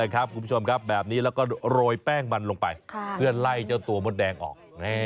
คุณผู้ชมครับแบบนี้แล้วก็โรยแป้งมันลงไปเพื่อไล่เจ้าตัวมดแดงออก